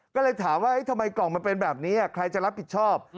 ก็เลยถามว่าทำไมกล่องมันเป็นแบบนี้ใครจะรับผิดชอบ